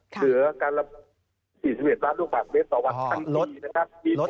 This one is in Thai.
เหลือการรับ๔๑ล้านลูกหวัดเม็ดต่อวันทั้งทีนะครับ